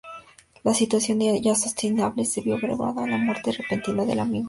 La situación ya insostenible, se vio agravada por la muerte repentina del amigo Gori.